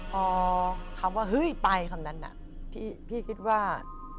พอคำว่าเฮ้ยไปคำนั้นน่ะพี่คิดว่า